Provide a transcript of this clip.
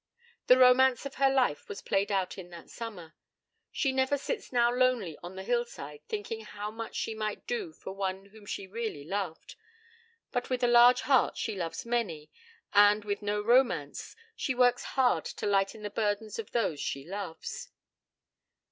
The romance of her life was played out in that summer. She never sits now lonely on the hillside thinking how much she might do for one whom she really loved. But with a large heart she loves many, and, with no romance, she works hard to lighten the burdens of those she loves.